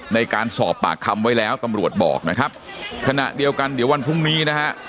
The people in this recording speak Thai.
ในการสอบปากคำไว้แล้วตำรวจบอกนะครับขณะเดียวกันเดี๋ยววันพรุ่งนี้นะฮะ